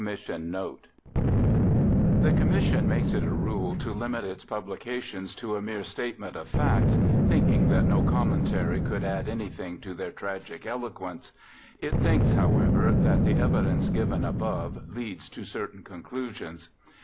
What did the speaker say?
The Commission makes it a rule to limit its publications to a mere statement of facts, thinking that no commentary could add anything to their tragic eloquence. It thinks, however, that the evidence given above leads to certain conclusions.